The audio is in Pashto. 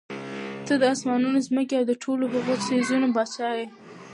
ته د آسمانونو، ځمکي او د ټولو هغو څيزونو باچا ئي